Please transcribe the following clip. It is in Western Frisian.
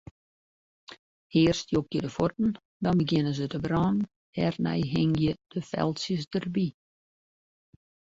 Earst jokje de fuotten, dan begjinne se te brânen, dêrnei hingje de feltsjes derby.